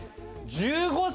１５歳？